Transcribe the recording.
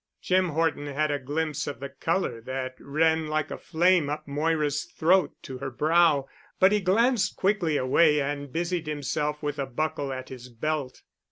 Jim Horton had a glimpse of the color that ran like a flame up Moira's throat to her brow but he glanced quickly away and busied himself with a buckle at his belt.